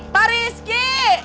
pak rizky keluar